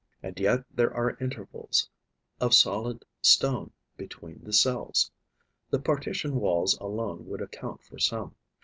And yet there are intervals of solid stone between the cells: the partition walls alone would account for some.